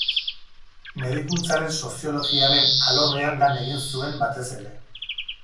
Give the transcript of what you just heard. Medikuntzaren soziologiaren alorrean lan egin zuen batez ere.